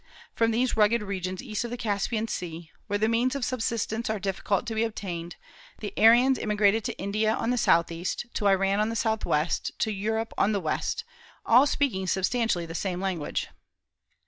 From these rugged regions east of the Caspian Sea, where the means of subsistence are difficult to be obtained, the Aryans emigrated to India on the southeast, to Iran on the southwest, to Europe on the west, all speaking substantially the same language.